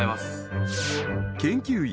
研究員